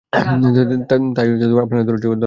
তাই আপনারা ধৈর্যধারণ করুন!